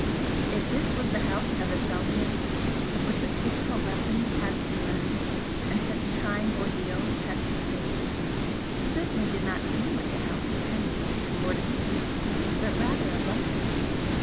If this was the House of Aselzion, where such difficult lessons had to be learned and such trying ordeals had to be faced, it certainly did not seem like a house of penance and mortification but rather of luxury.